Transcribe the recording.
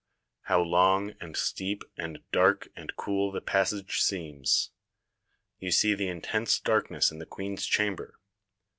How long and steep and dark and cool the passage seems. You see the intense darkness in the queen's chamber.